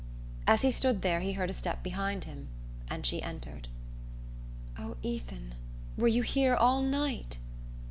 As he stood there he heard a step behind him and she entered. "Oh, Ethan were you here all night?"